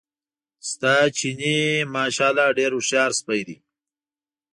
ستا چیني ماشاءالله ډېر هوښیار سپی دی.